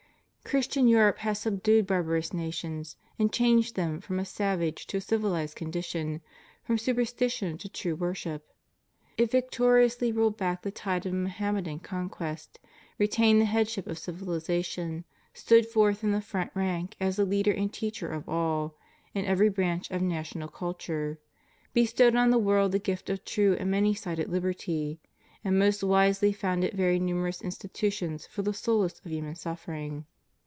Christian Europe has subdued barbarous nations, and changed them from a savage to a civilized condition, from superstition to true worship. It victoriously rolled back the tide of Moham medan conquest; retained the headship of civilization; stood forth in the front rank as the leader and teacher of all, in every branch of national culture; bestowed on the world the gift of true and many sided liberty; and most wisely founded very numerous institutions for the solace of hiunan suffering.